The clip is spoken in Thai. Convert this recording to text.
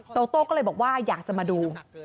โตโต้ก็เลยบอกว่าอยากจะมาดู